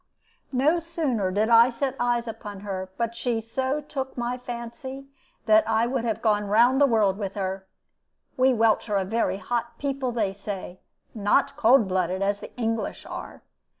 No sooner did I set eyes upon her but she so took my fancy that I would have gone round the world with her. We Welsh are a very hot people, they say not cold blooded, as the English are.